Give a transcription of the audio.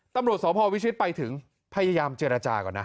ตำรวจสพวิชิตไปถึงพยายามเจรจาก่อนนะ